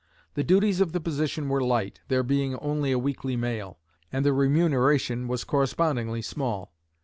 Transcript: The duties of the position were light, there being only a weekly mail, and the remuneration was correspondingly small.